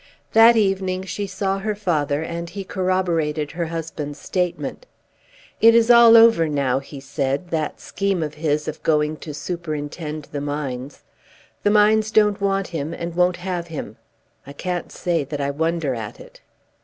That evening she saw her father, and he corroborated her husband's statement. "It is all over now," he said, "that scheme of his of going to superintend the mines. The mines don't want him, and won't have him. I can't say that I wonder at it."